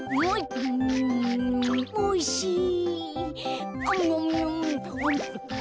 おいしい。